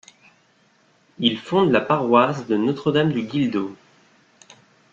Il fonde la paroisse de Notre-Dame-du-Guildo.